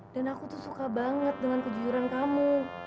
dan aku tuh suka banget dengan kejujuran kamu